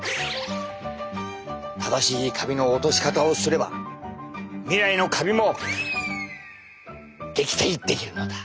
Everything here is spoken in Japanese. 正しいカビの落とし方をすれば未来のカビも撃退できるのだ。